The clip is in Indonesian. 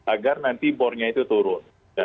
agar nanti bor nya itu turun